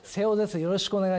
よろしくお願いします。